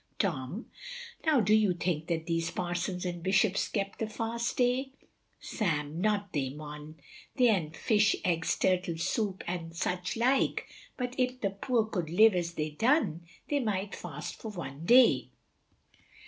Tom Now do you think that these Parsons and Bishops kept th' fast day. Sam Not they mon, they an fish, eggs, turtle soup, and such like, but if th' poor could live as they done, they might fast for one day.